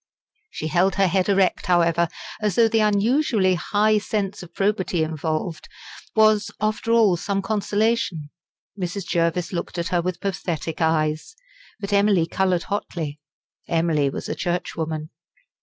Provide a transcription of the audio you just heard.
She held her head erect, however, as though the unusually high sense of probity involved, was, after all, some consolation. Mrs. Jervis looked at her with pathetic eyes. But Emily coloured hotly. Emily was a churchwoman.